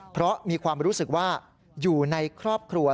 เพราะมีความรู้สึกว่าอยู่ในครอบครัว